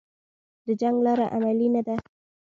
د جنګ لاره عملي نه ده